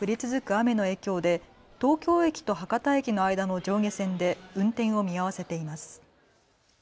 雨の影響で東京駅と博多駅の間の上下線で運転を見合わせています。